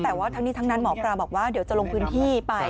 แต่ว่าทั้งนี้ทั้งนั้นหมอปลาบอกว่าเดี๋ยวจะลงพื้นที่ไป